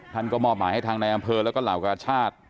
ท่านก็มอบหมายให้ทางในอำเภอแล้วก็เหล่ากาชาติ